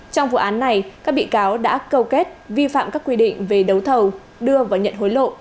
trong vụ án này các bị cáo đã câu kết vi phạm các quy định về đấu thầu đưa và nhận hối lộ